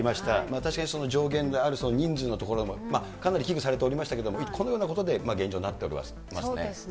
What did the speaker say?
確かに上限である人数のところも、かなり危惧されておりましたけれども、このようなことで現状はなっておりますね。